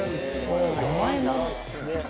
甘いもの。